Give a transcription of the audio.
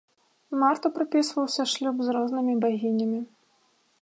Марту прыпісваўся шлюб з рознымі багінямі.